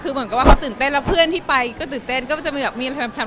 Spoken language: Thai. เหมือนก่อนว่ามันตื่นเต้นแล้วเพื่อนที่ไปก็ตื่นเต้น